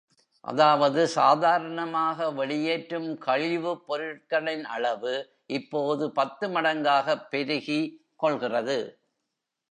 அதாவது, சாதாரணமாக வெளியேற்றும் கழிவுப் பொருட்களின் அளவு, இப்போது பத்து மடங்காகப் பெருகி கொள்கிறது.